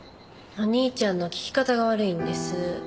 お兄ちゃんの聞き方が悪いんです。